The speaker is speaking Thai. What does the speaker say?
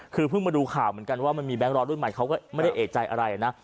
คือเพิ่งมาดูข่าวเหมือนกันว่ามันมีแบงค์ร้อนรุ่นใหม่เขาก็ไม่ได้เอกใจอะไรนะ